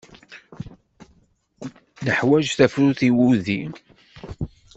Neḥwaj tafrut i wudi.